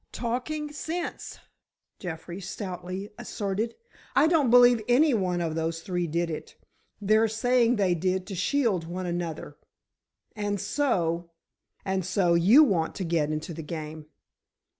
"Talking sense," Jeffrey stoutly asserted. "I don't believe any one of those three did it—they're saying they did to shield one another—and so——" "And so, you want to get into the game!"